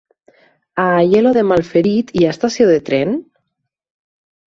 A Aielo de Malferit hi ha estació de tren?